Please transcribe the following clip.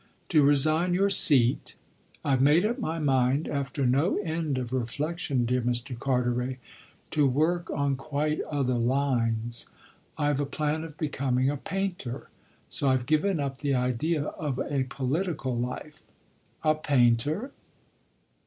"To resign your seat?" "I've made up my mind, after no end of reflexion, dear Mr. Carteret, to work on quite other lines. I've a plan of becoming a painter. So I've given up the idea of a political life." "A painter?"